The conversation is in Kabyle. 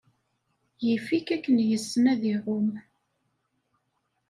Yif-ik akken yessen ad iɛum.